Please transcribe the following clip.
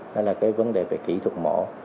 đó là cái vấn đề về kỹ thuật mổ